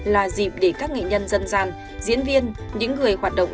là dịp để các nghệ nhân dân gian diễn viên những người hoạt động